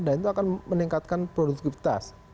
dan itu akan meningkatkan produktivitas